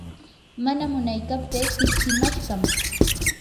mana munaykaptii tipsimashqam.